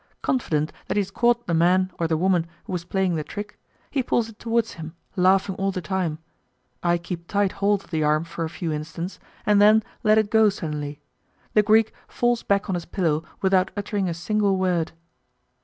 Confident that he has caught the man or the woman who was playing the trick, he pulls it towards him, laughing all the time; I keep tight hold of the arm for a few instants, and then let it go suddenly; the Greek falls back on his pillow without uttering a single word.